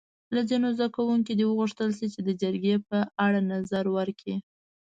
له ځینو زده کوونکو دې وغوښتل شي چې د جرګې په اړه نظر ورکړي.